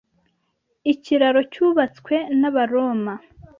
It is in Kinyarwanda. Ikiraro cyubatswe n’Abaroma.